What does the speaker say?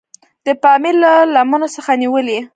د پامیر له لمنو څخه نیولې.